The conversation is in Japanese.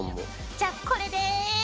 じゃあこれで。